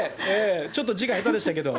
ちょっと字が下手でしたけど。